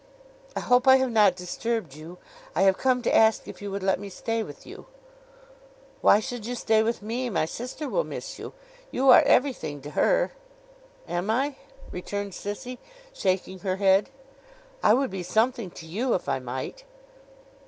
'I hope I have not disturbed you. I have come to ask if you would let me stay with you?' 'Why should you stay with me? My sister will miss you. You are everything to her.' 'Am I?' returned Sissy, shaking her head. 'I would be something to you, if I might.